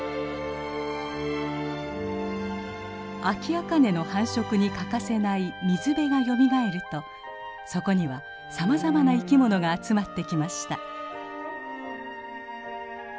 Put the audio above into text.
アキアカネの繁殖に欠かせない水辺がよみがえるとそこにはさまざまな生き物が集まってきました。